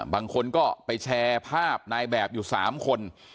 บางคนก็ไปแชร์ภาพนายแบบอยู่๓คน